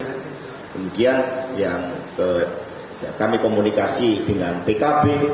kemudian yang kami komunikasi dengan pkb